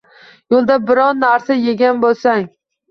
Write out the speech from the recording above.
Yo‘lda biror narsa yegan bo‘lsang